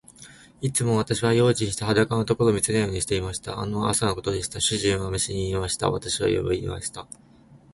いつも私は用心して、裸のところを見せないようにしていました。ある朝のことでした。主人は召使に言いつけて、私を呼びに来ました。